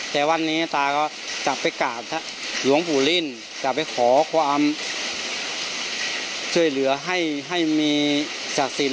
แต่วันนี้ตาก็จะไปกราบหลวงปู่ลิ่นจะไปขอความช่วยเหลือให้ให้มีศักดิ์สิน